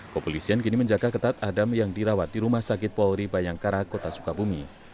kepolisian kini menjaga ketat adam yang dirawat di rumah sakit polri bayangkara kota sukabumi